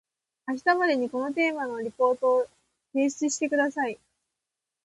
明日までにこのテーマのリポートを提出してください